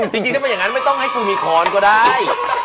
จริงถ้าเป็นอย่างนั้นไม่ต้องให้กูมีค้อนก็ได้